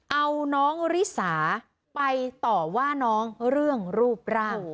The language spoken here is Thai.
เอาน้องริสาไปต่อว่าน้องเรื่องรูปร่าง